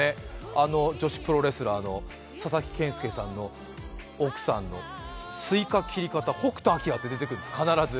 あの女子プロレスラーの佐々木健介さんの奥さんのスイカ切り方、北斗晶って出てくるんです、必ず。